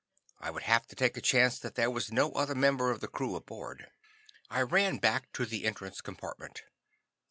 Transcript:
I would have to take a chance that there was no other member of the crew aboard. I ran back to the entrance compartment.